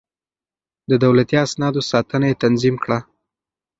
د دولتي اسنادو ساتنه يې تنظيم کړه.